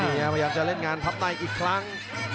พยายามจะเล่นงานพับในอีกครั้ง